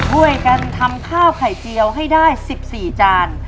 ช่วยกันทำข้าวไข่เจียวให้ได้๑๔จาน